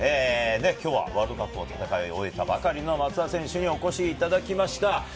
きょうはワールドカップを戦い終えたばかりの松田選手にお越しいただきました。